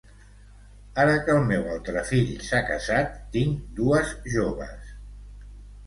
Ara que el meu altre fill s'ha casat, tinc dues joves.